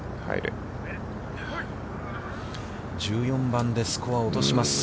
１４番でスコアを落とします。